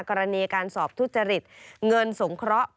กรณีการสอบทุจริตเงินสงเคราะห์